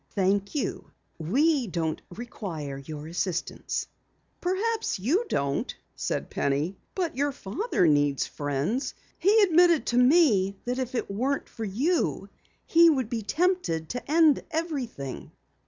"Thank you. We don't require assistance." "Perhaps you don't," said Penny, "but your father needs friends. He admitted to me that if it weren't for you he would be tempted to end everything."